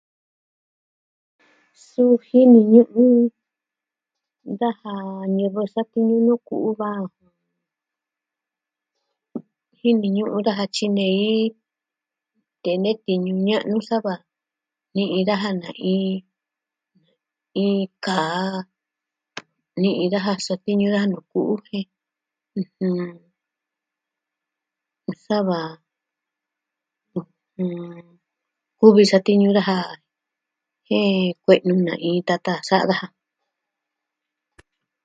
Suu jini ñu'un daja ñivɨ satiñu nuu ku'u va jini ñu'un daja tyinei tee nee tiñu ña'nu sava ni'i na'in daja iin kaa. Ni'i daja satiñu daja nuu ku'u jen sava kuvi satiñu daja jen kue'nu na'in tata sa'a daja.